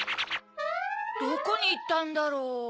どこにいったんだろう？